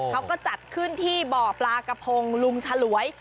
เขาก็จัดขึ้นที่บ่อปลากระพงลุงฉลวย